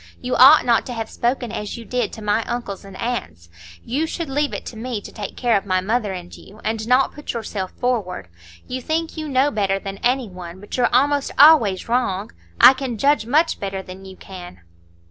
You ought not to have spoken as you did to my uncles and aunts; you should leave it to me to take care of my mother and you, and not put yourself forward. You think you know better than any one, but you're almost always wrong. I can judge much better than you can."